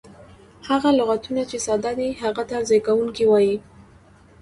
هغه لغتونه، چي ساده دي هغه ته زېږوونکی وایي.